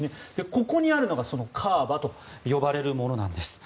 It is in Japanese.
ここにあるのがそのカーバと呼ばれるものです。